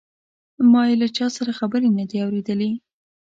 ما یې له چا سره خبرې نه دي اوریدلې.